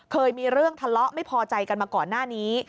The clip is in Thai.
เคยมีเรื่องทะเลาะไม่พอใจกันมาก่อนหน้านี้